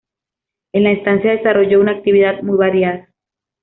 En la estancia, desarrolló una actividad muy variada.